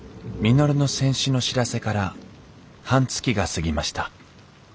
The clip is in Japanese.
稔の戦死の知らせから半月が過ぎました。